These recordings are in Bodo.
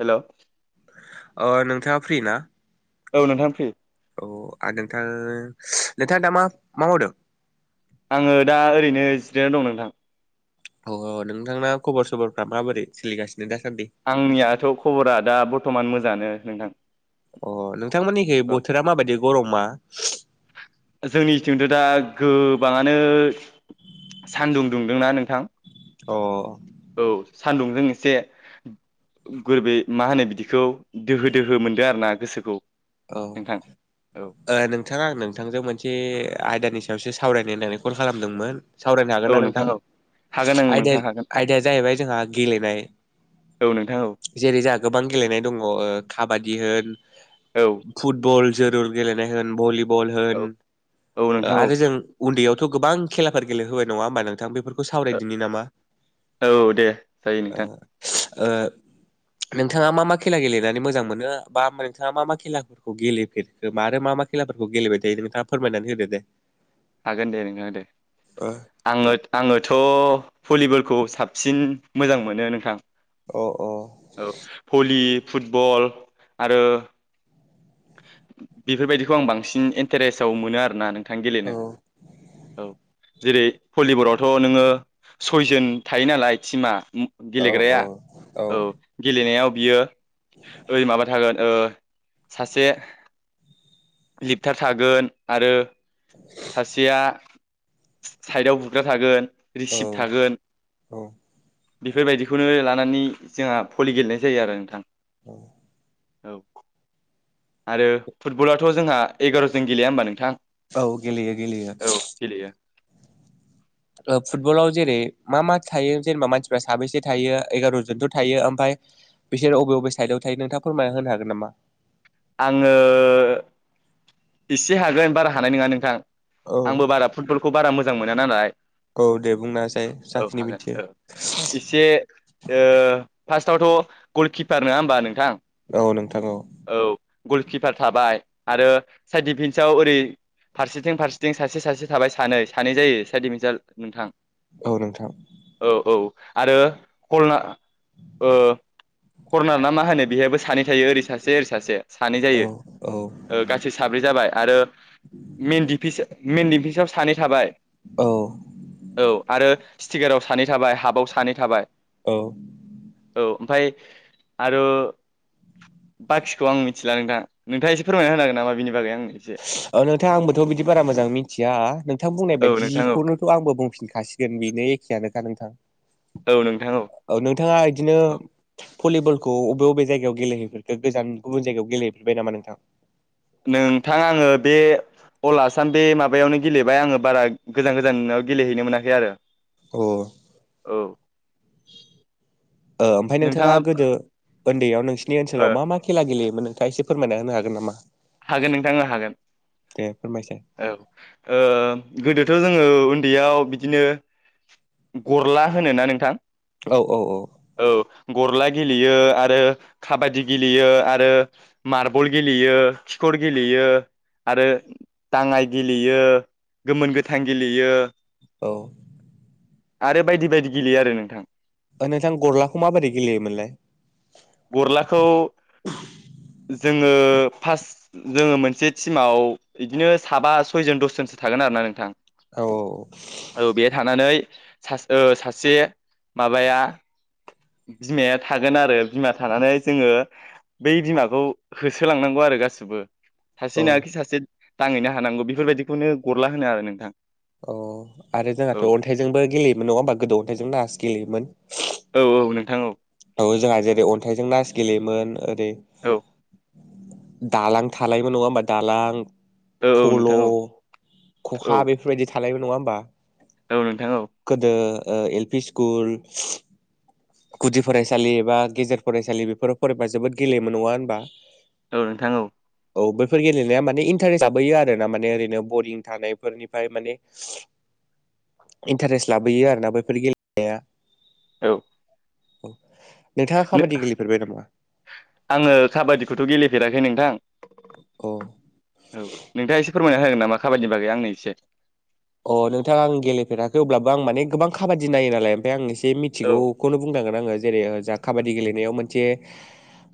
हेल' ओ नोंथाङा फ्रि ना औ नोंथां फ्रि औ आ नोंथां नोंथाङा दा मा मा मावदों आङो दा ओरैनो जिरायना दं नोंथां औ औ नोंथांना खबर सबरफ्रा माबोरै सोलिगासिनो दासान्दि आंनियाथ' खबरा दा बर्थ'मान मोजाङानो नोंथां अ नोंथांमोननिखै औ बोथोरा माबायदि गरमा जोंनिथिंथ' दा गोबाङानो सानदुं दुंदोंना नोंथां अ औ सान्दुंजों एसे गोरबै मा होनो बिदिखौ दोहो दोहो मोनदों आरो ना गोसोखौ औ नोंथां औ ओ नोंथाङा आं नोंथांजों मोनसे आयदानि सायावसो सावरायनाय होननानै कल खालामदोंमोन सावरायनो हागोन ना औ नोंथां औ हागोन आं आयदा नोंथां हागोन आयदाया जाहैबाय जोंहा गेलेनाय औ नोंथां औ जेरै जाहा गोबां गेलेनाय दङ काबादि होन औ फुटबल जोरुर गेलेनाय होन भलिबल औ होन औ ओ नोंथां औ आरो जों उन्दैयावथ' गोबां खेलाफोर गेलेहोबाय नङा होमबा नोंथां बेफोरखौ खौ सावरायदिनि नामा औ दे जायो ओ नोंथां नोंथाङा मा मा खेला गेलेनानै मोजां मोनो बा नोंथाङा मा मा खेला खौ गेलेफेरखो माने मा मा खेलाफोरखौ गेलेबाय थायो नोंथाङा फोरमायनानै होदो दे हागोन दे नोंथां दे ओ आङो आङोथ' भलिबल खौ साबसिन मोजां मोनो नोंथां अ अ औ भलि फुटबल आरो बेफोरबायदिखौ आं बांसिन इन्टारेस्टाव मोनो आरोना नोंथां थां गेलेनो औ जेरै भलिबलावथ' नोङो सयजोन थायो नालाय टिमा औ गेलेग्राया औ गेलेनायाव बियो ओरै माबा थागोन ओ सासे लिपथार थागोन आरो सासेया साइडआव बुग्रा थागोन रिसिप्ट थागोन औ बेफोरबायदिखौनो लानानै नानै जोंहा भलि गेलेनाय जायो आरो नोंथां औ औ आरो फुटबलाथ' जोंहा एगार' जन गेलेया होम्बा नोंथां औ गेलेयो गेलेयो औ गेलेयो ओ फुटबलाव जेरै मा मा थायो जेनेबा मानसिफ्रा साबेैसे थायो एगार'जनथ' थायो ओमफफ्राय बिसोर बबे बबे साइदआव थायो नोंथाङा फोरमायना होनो हागोन नामा आङो एसे हागोन बारा हानाय नङा नोंथां औ आंबो बारा फुटबलखौ बारा मोजां मोना नालाय औ दे बुंना होसाय औ जाखिनि हागोन मिथियो औ एसे ओ फार्स्टआवथ' गलकिपार नङा होमबा नोंथां औ नोंथां औ औ गलकिपार थाबाय आरो साइड डिफेन्स आव ओरै फारसेथिं फारसेथिं सासे सासे थाबाय सानै सानै जायो साइडिभिजनेल नोंथां औ नोंथां औ औ आरो खरनार ओ खरनार ना मा होनो बेहायाबो सानै थायो ओरै सासे ओरै सासे सानै औ जायो औ गासै साब्रै जाबाय आरो मेन डिफिसाव सानै थाबाय औ औ आरो स्टिकाराव सानै थाबाय हाबबाव सानै थाबाय औ औ ओमफ्राय आरो बाखिखौ आं मिथिला नोंथां नोंथाङ एसे फोरमायना होनो हागोन नामा बेनि बागै आंनो एसे अ नोंथाङां आंबोथ' बिदि बारा मोजां मिथिया नोंथां बुंनाय औ बायदि नोंथां औ जिखौनोथ' आंबो बुंफिनखा खासिगोन बेनो एखेयानोखा नोंथां औ नोंथां औ नोंथाङा बिदिनो औ भलिबलखौ बबे बबे जायगायाव गेलेहैफेरखो गोजान गुबुन जायगायाव गेलेहैफेरबाय नामा नोंथां नोंथां आङो बे अल आसाम बे माबायावनो गेलेबाय आङो बारा गोजान गोजानाव गेलेहैनो मोनाखै आरो औ [inaudible] ओमफ्राय नोंथाङा गोदो उन्दैयाव नोंसिनि ओ ओनसोलाव मा मा खेला गेलेयो नोंथाङा एसे फोरमायना होनो हागोन नामा हागोन नोंथां हागोन दे फोरमायसाय ओ गोदो थ' जोङो उन्दैयाव बिदिनो गरला होनोना नोंथां औ औ-औ औ गरला गेलेयो आरो खाबादि गेलेयो आरो मार्बल गेलेयो खिखर गेलेयो आरो दाङाय गेलेयो गोमोन गोथां गेलेयो औ आरो बायदि बायदि गेलेयो आरो नोंथां। नोंथां गरलाखौ माबोरै गेलेयोमोनलाय? गरलाखौ जोङो फार्स्ट जोङो मोनसे टिमाव इदिनो साबा सयजन दसजनसो थागोन आरो ना नोंथां। औ औ बे थानानै सास ओ सासे माबाया बिमाया थागोन आरो बिमा थानानै जोङो बै बिमाखौ होसोलांनांगौ आरो गासि बो औ सासे नङाखि सासे दाङहैनो हानांगौ बेफोरबायदिखौनो गरला होनो आरो नोंथां। अ आरो औ जोंहाथ' अन्थाइजोंबो गेलेयोमोन नङा होमबा गोदो अन्थाइजों नास गेलेयोमोन। औ औ नोंथां औ। औ जोंहा जेरै अन्थाइजों नास गेलेयोमोन ओरै दालां थालायोमोन नङा होमबा दालां। फल' नोंथां औ औ खखा बेफोरबायदि थानायबो नङा होमबा? औ नोंथां औ। गोदो ओ एल पि स्कुल गुदि फरायसालि एबा गेजेर फरायसालि बेफोराव फरायबा जोबोद गेलेयोमोन नङा होनबा? औ नोंथां औ। औ बैफोर गेलेनाया माने इन्टारेस् लाबोयो आरो ना माने ओरैनो बरिं थानायफोरनिफ्राय माने इन्टारेस्ट लाबोयो आरोना बैफोर गेलेनाया। औ। नोंथाङा नो काबादि गेलेफेरबाय नामा आङो खाबादिखौथ' गेले फेराखै नोंथां अ औ नोंथाङा एसे फोरमायना होगोन नामा खाबादिनि बागै आंनो एसे? अ नोंथां आं गेलेफेराखै अब्लाबो आं माने गोबां खाबादि नायो नालाय ओमफ्राय आं बे औ मिथिगौखौनो बुंनांगोन आङो। जेरै जा काबादि गेलेनायाव मोनसे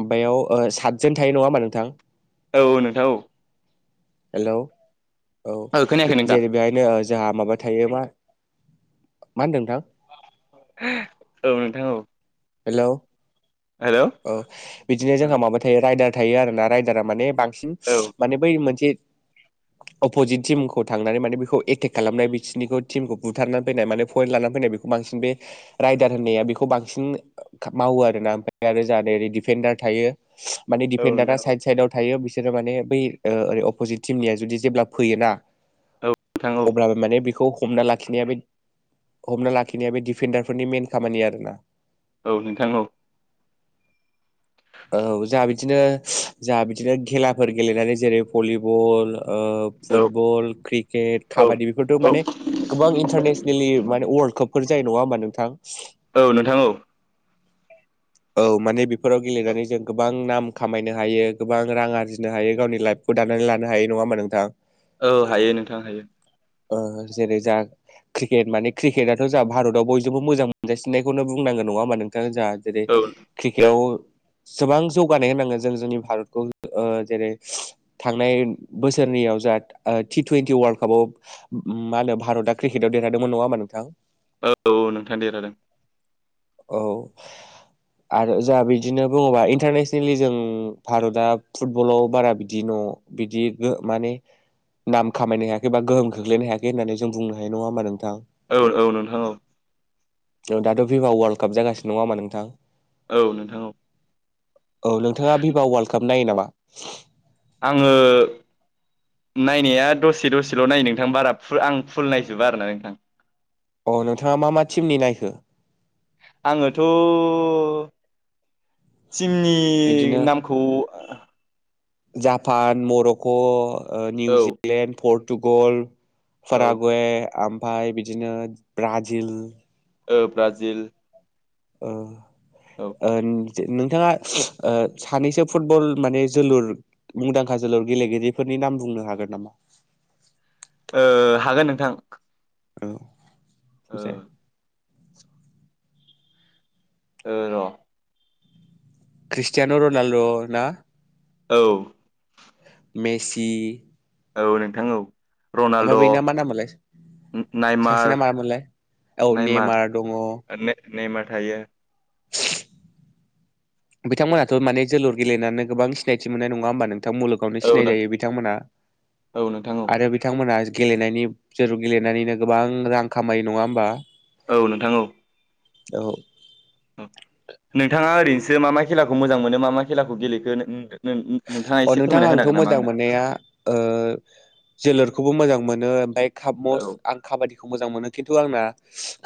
माबायाव ओ साथजोन थायो नङा होमबा नोंथां? औ नोंथां औ। हेलौ औ खोनायाखै नोंथां जेरै बेहायनो जोंहा माबा थायो मा मा होनदों नोंथां? औ नोंथां औ। हेलौ हेलौ औ बिदिनो औ जोंहा माबा थायो राइडार थायो आरोना रायदारा माने बांसिन औ माने बै मोनसे अपजिट टिमखौ थांनानै माने बेखौ एटेक खालामनाय बिसोरनिखौ टिमखौ बुथारनानै फैनाय माने पइन्ट लानानै फैनाय बांसिन बे रायदार होननाया बेखौ बांसिन मावो आरोना ओमफ्राय आरो जाहाथे ओरै डिफेन्डार थायो। माने औ दिफेन्डारा नोंथां औ साइद साइदाव थायो। बिफोर माने बै ओै अफजित टिमनिया जुदि जेब्ला फैयोना औ नोंथां औ अब्लाबो माने बेखौ हमना लाखिनाया बे हमना लाखिनाया बे डिफेन्डारफोरनि मेन खामानि आरोना। औ नोंथां औ। [unintelligible] औ जाआ बिदिनो जाआ बिदिनो खेलाफोर गेलेनानै जेरै भलिबल ओ औ फुटबल क्रिकेट औ काबादि बेफोरथ' औ माने गोबां इन्टारनेसनेलि माने वर्ल्ड काप फोर जायो नङा होमबा नोंथां औ नोंथां औ। औ माने बेफोराव गेलेनानै जों गोबां नाम खामायनो हायो गोबां रां आरजिनो हायो गावनि लाइफखौ दानानै लानो हायो नङा होमबा नोंथां? औ हायो नोंथां हायो। ओ जेरै जा क्रिकेट माने क्रिकेटथ' जा भारताव बयजोंबो मोजां मोनजासिननायखौनो बुंना नांगौ नङा होमा नोंथां जोआ जेरै औ क्रिकेटआव गोबां जौगानाय होनांगो जों जोंनि भारतखौ ओ जेरै थांनाय बोसोर जा ओ टि टुवन्टि वर्ल्ड काप आव मा होनो भारतआ क्रिकेटआव देरहादोंमोन नङा होमबा नोंथां। औ औ नोंथां देरहादों। औ। आरो जोंहा बिदिनो बुङोबा इन्टारनेसनेलि जों भारतआ फुटबलाव बारा बिदि बिदि माने नाम खामायनो हायाखै बा गोहोम खख्लैनो हायाखै होननानै जों बुंनो हायो नङा होमबा नोंथां। औ औ नोंथां औ। औ दाथ' भिभा वार्ल्ड काप जागासिनो नङा हामा नोंथां औ नोंथां औ औ नोंथाङा भिभा वर्ल्ड काप नायो नामा आङो नायनाया दसे दसेल' नाय़ नोंथां बारा फुल आं फुल नायजोबा आरो ना नोंथां अ नोंथाङा मा मा टिमनि नायखो आङोथ' टिमनि बिदिनो नामखौ जापान मर'क' ओ औ निउजिलेण्ड पर्टुगल औ फारागवे ओमफाय बिदिनो ब्राजिल ओ ब्राजिल ओ औ ओन नोंथाङा ओ सानैसो फुटबल माने जोलुर मुंदांखा जोलुर गेलेगिरिफोरनि नाम बुंनो हागोन नामा? ओ हागोन नोंथां। औ ओ बुंसाय। ओ र' ख्रिस्टियान' रनाल्ड' ना औ मेसि औ नोंथां औ आमफाय रनाल्द' बैना मा नामलाय नायमार सासेना मामोनलाय औ नायमार नेमार दङ ने नेमार थायो [unintelligible] बिथांमोनहाथ' माने जोलुर गेलेनानै गोबां सिनायथि मोन्नाय नङा होमबा नों- थां मुलुगावनो औ सिनाय जायो बिथांमोना नोंथां औ नोंथां औ आरो बिथांमोना गेलेनायनि जोलुर गेलेनानैनो गोबां रां खामायो नङा होमबा। औ नोंथां औ। औ। नोंथाङा ओरैनोसो मा मा खेलाखौ मोजां मोनो मा मा खेलाखौ गेलेखो नों अ नोंथां आंथ' मोजां मोननाया ओ जोलुरखौबो मोजां मोनो ओमफाय औ कापमस्ट आं काबादिखौ मोजां मोनो खिन्थु आंना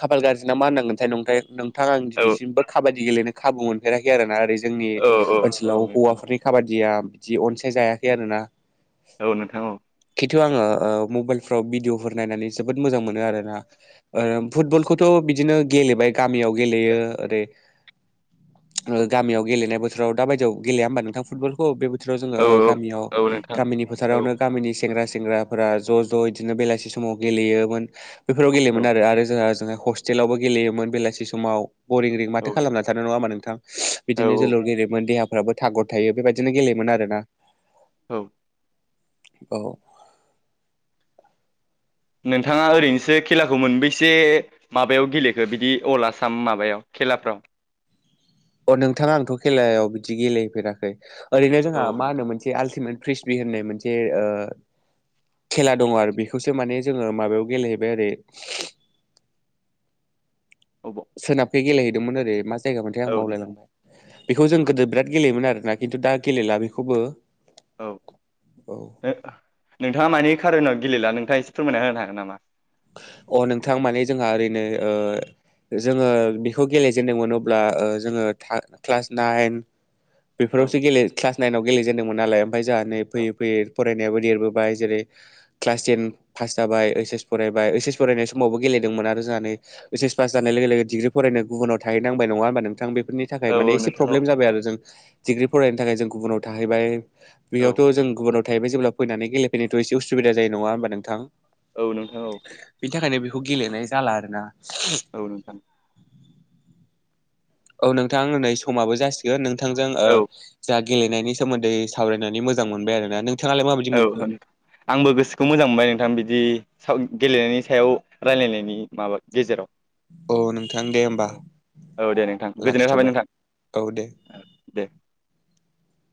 खाफाल गाज्रि ना मा होननांगोनथाय नंथाय नों नोंथां आं औ दिनैसिमबो काबादि गेलेनो खाबु मोनफेराखै आरोना आरै जोंनि औ औ औ ओनसोलाव नोंथां हौवाफोरनि खाबादिया बिदि अनसाय जायाखै आरोना। औ नोंथां औ। खिन्थु आङो ओ मबाइलफ्राव भिडिअफोर नायनानै जोबोद मोजां मोनो आरोना ओ फुटबलखौथ' बिदिनो गेलेबाय गामियाव गेलेयो ओरै ओ गामियाव गेलेनाय बोथोराव दाबायदियाव गेलेया होमबा नोंथां फुटबलखौ बेबाय दिफ्राव जोङो औ ओ गामिनियाव औ नोंथां औ गामिनि औ फोथारावनो गामिनि सेंग्रा सेंग्राफोरा ज' ज' बिदिनो बेलासि समाव गेलेयोमोन बेफोराव गेलेयोमोन औ आरो जोंहा जोंहा हस्टेलावबो गेलेयोमोन बेलासि समाव बरिं रिं माथो नोंथां खालामना थानो नङामा नोंथां बिदिनो औ जोलुर गेलेयोमोन देहा फोराबो थागर थायो बेबायदिनो गेलेयोमोन आरोना औ औ नोंथाङा ओरैनोसो खेलाखौ मोनबैससे माबायाव गेलेखो बिदि अल आसाम माबायाव खेलाफ्राव? [inaudible] अ नोंथाङा आंथ' खेलायाव बिदि गेलेफेराखै ओरैनो औ जोंहा मा होनो नोंथां मोनसे आल्टिमेट क्रिस्बि होननाय मोनसे ओ खेला दङ आरो बेखौसो माने जोङो माबायाव गेलेहैबाय आरो अबाव सोनाफै गेलेहैदोंमोन ओरै मा जायगा मोनथाय आं औ नोंथां बावलायलांबाय बेखौ जों गोदो बिराद गेलेयोमोन आरोना खिन्थु दा गेलेला बेखौबो औ औ ओ नोंथाङा मानि कार'नाव गेलेला नोंथाङा एसे फोरमायना होनो हागोन नामा? अ नोंथां माने जोंहा ओरैनो ओ जोङो बेखौ गेलेजेदोंमोन अब्ला ओ जोङो था क्लास नाइन औ बेफोरावसो गेले क्लास नाइनाव गेलेजेनदोंमोन नालाय ओमफ्राय जोंहा नै औ फैयै फैयै फराय नायावबो देरबोबाय जेरै क्लास थेन पास जाबाय ओइस एस फरायबाय ओइस एस फरायनाय समावबो गेलेदोंमोन आरो जानानै ओइस एस पास जानाय लोगो डिग्रि फरायनो गुबुनाव थाहैनांबाय नङा होनबा नोंथां बेफोरनि थाखाय औ माने औ एसे नोंथां औ प्रब्लेम जाबाय आरो जों डिग्रि फरायनो थाखाय जों गुबुनाव थाहैबाय औ बेयावथ' जों गुबुनाव थाहैबाय जेब्ला फैनानै गेलेफैनायथ' एसे उसुबिदा जायो नङा हबा नोंथां? औ नोंथां औ। बिनि थाखायनो बेखौ गेलेनाय जाला आरोना औ नोंथां। औ नोंथां नै समाबो जासिगोन नोंथांजों ओ औ जा गेलेनायनि सोमोन्दै सावरायनानै मोजां मोनबाय आरोना नों औ आंबो गोसोखौ मोजां मोनबाय नोंथां बिदि साव गेलेनायनि सायाव रायलायनायनि माबा गेजेराव औ नोंथां दे होमबा। औ दे नोंथां गोजोननाय थाबाय लाखिथ'बाय नोंथां औ दे। [inaudible]